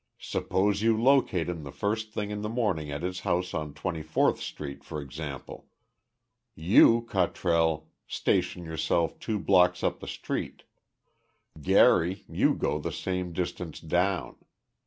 Suppose you locate him the first thing in the morning at his house on Twenty fourth Street, for example. You, Cottrell, station yourself two blocks up the street. Gary, you go the same distance down.